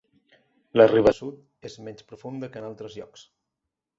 La riba sud és menys profunda que en altres llocs.